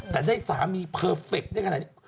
แต่ได้สามีเพอร์เฟคได้ขนาดนี้